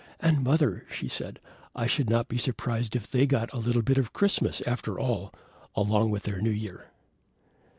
"And, mother," she said, "I should not be surprised if they had got a little bit of Christmas, after all, along with their New Year!"